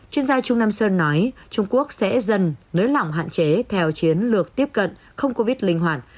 chuyên gia trung nam sơn nói trung quốc sẽ dần nới lỏng hạn chế theo chiến lược tiếp cận không covid linh hoạt